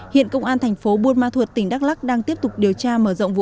hiện công an thành phố buôn ma thuột tỉnh đắk lắc đang tiếp tục điều tra mở rộng vụ án